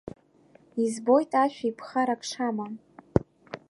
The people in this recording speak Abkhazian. Избоит ашәи ԥхарак шамам…